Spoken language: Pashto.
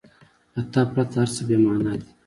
• له تا پرته هر څه بېمانا دي.